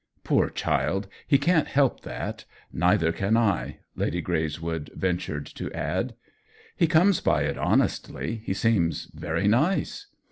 "Poor child, he can't help that. Neither can I !" Lady Greyswood ventured to add. " He comes by it honestly. He seems very nice."